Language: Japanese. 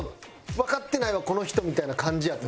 「わかってないわこの人」みたいな感じやった。